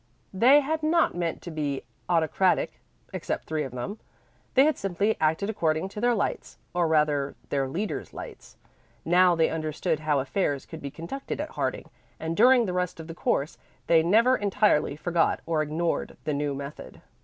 They had not meant to be autocratic except three of them; they had simply acted according to their lights, or rather, their leaders' lights. Now they understood how affairs could be conducted at Harding, and during the rest of the course they never entirely forgot or ignored the new method.